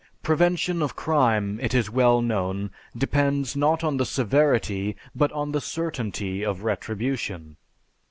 Prevention of crime, it is well known, depends not on the severity, but on the certainty of retribution.